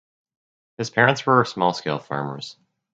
His parents were small scale farmers.